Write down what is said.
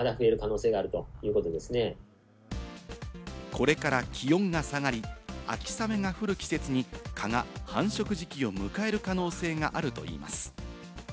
これから気温が下がり、秋雨が降る季節に蚊が繁殖時期を迎える可能性があるといいます。